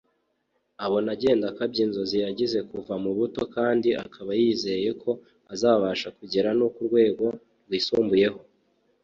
abona agenda akabya inzozi yagize kuva mu buto kandi akaba yizeye ko azabasha kugera no ku rwego rwisumbuyeho